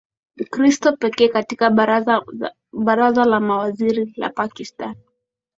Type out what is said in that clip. mkristo pekee katika baraza la mawaziri la pakistan